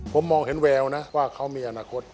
ผมมองเห็นแววนะว่าเขามีอนาคต